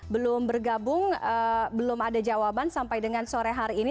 belum bergabung belum ada jawaban sampai dengan sore hari ini